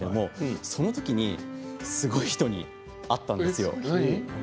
そのときにすごい人に出会ったんです。